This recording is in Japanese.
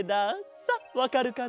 さあわかるかな？